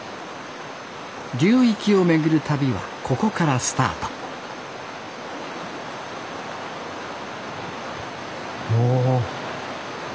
流域を巡る旅はここからスタートおお。